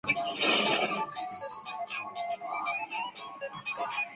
高負載的話